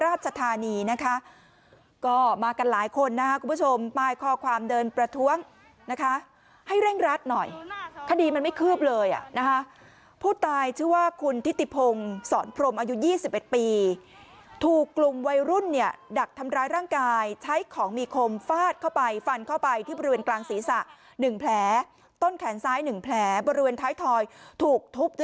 นะคะก็มากันหลายคนนะคะคุณผู้ชมปลายคอความเดินประท้วงนะคะให้เร่งรัดหน่อยคดีมันไม่คืบเลยอ่ะนะคะผู้ตายชื่อว่าคุณทิติพงศรพรมอายุ๒๑ปีถูกกลุ่มวัยรุ่นเนี่ยดักทำร้ายร่างกายใช้ของมีคมฟาดเข้าไปฟันเข้าไปที่บริเวณกลางศีรษะ๑แผลต้นแขนซ้ายหนึ่งแผลบริเวณท้ายทอยถูกทุบ